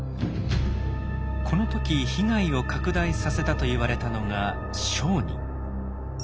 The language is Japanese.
この時被害を拡大させたといわれたのが商人。